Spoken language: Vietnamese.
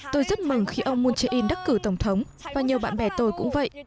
tôi rất mừng khi ông moon jae in đắc cử tổng thống và nhiều bạn bè tôi cũng vậy